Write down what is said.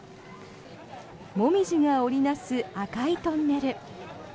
モミジが織りなす赤いトンネル。